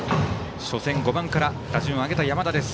初戦５番から打順を上げた山田です。